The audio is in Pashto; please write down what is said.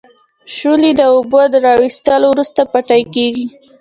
شولې د اوبو را وېستلو وروسته بټۍ کیږي.